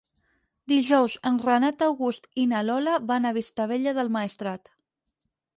Dijous en Renat August i na Lola van a Vistabella del Maestrat.